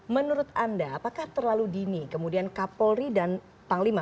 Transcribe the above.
menurut anda apakah terlalu dini kemudian kapolri dan panglima